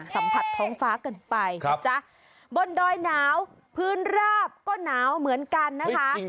สัมผัสท้องฟ้ากันไปนะจ๊ะบนดอยหนาวพื้นราบก็หนาวเหมือนกันนะคะ